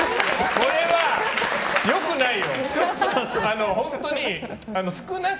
これは良くないよ。